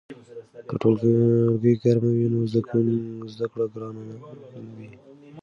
که ټولګی ګرم وي نو زده کړه ګرانه وي.